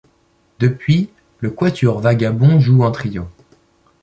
Depuis, le Quatuor Vagabond joue en trio.